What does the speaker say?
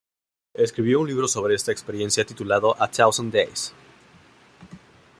Escribió un libro sobre esta experiencia, titulado "A Thousand Days".